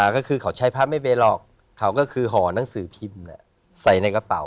เฮ้คือเขาต้องใช้ผ้าไม่ไปหรอกเขาก็คือห่อนังสือพิมพ์นั้นใส่ในกระเป๋า